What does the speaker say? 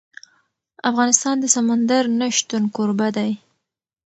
افغانستان د سمندر نه شتون کوربه دی.